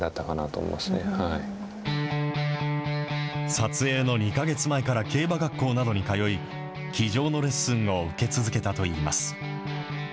撮影の２か月前から競馬学校などに通い、騎乗のレッスンを受け続けたといいます。